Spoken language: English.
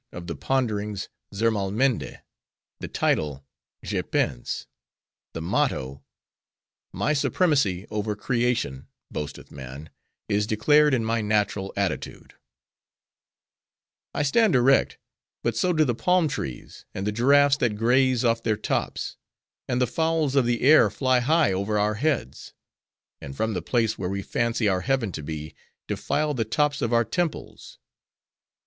of the Ponderings, 'Zermalmende,' the title: 'Je pense,' the motto:—'My supremacy over creation, boasteth man, is declared in my natural attitude:—I stand erect! But so do the palm trees; and the giraffes that graze off their tops. And the fowls of the air fly high over our heads; and from the place where we fancy our heaven to be, defile the tops of our temples.